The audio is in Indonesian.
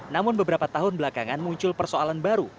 namun beberapa tahun belakangan muncul persoalan baru